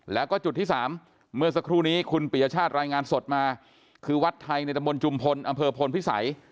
แล้วก็จุดที่๓เมื่อสักครู่นี้คุณปียชาติรายงานสดมาคือวัดไทยในตะบนจุมพลอำเภอพลพิสัย